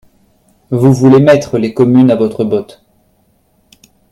Vous voulez mettre les communes à votre botte.